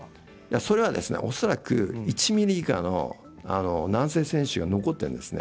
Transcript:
それは恐らく１ｍｍ以下の軟性線維腫が残っているんですね。